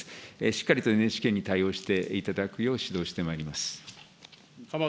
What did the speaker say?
しっかりとＮＨＫに対応していただくよう、指導してまいります。